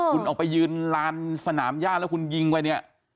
คุณออกไปยืนลานสนามย่าแล้วคุณยิงไปเนี่ย